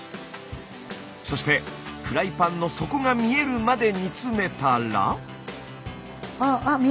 そしてフライパンの底が見えるまで煮詰めたら。